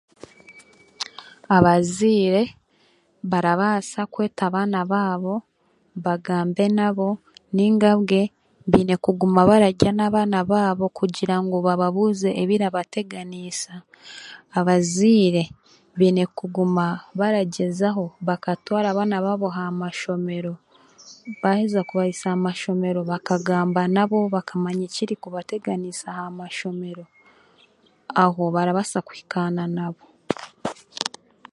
Abazaire barabaasa kweta abaana baabo bagambe n'abo nainga bwe baine kuguma bararya n'abaana baabo kugira ngu bababuuze ebirabateganiisa abazaire baine kuguma baragyezaho kutwara abaana baabo aha mashomero baaheeza kubiisya aha mashomero, bakagamba nabo bakamanya ekirikubateganiisa aha ishomero aho barabaasa kuhikaana nabo.